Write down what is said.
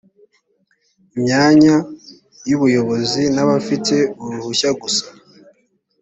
imyanya y’ubuyobozi n’abafite uruhushya gusa